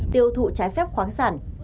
tiêu thụ trái phép khoáng sản